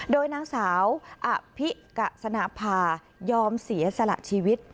โดยนางสาวอภิกัสนภายอมเสียสละชีวิต